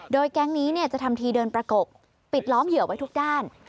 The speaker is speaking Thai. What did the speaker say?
โดยแก๊งนี้จะทำทีเดินประกบปิดล้อมเหยื่อไว้ทุกด้าน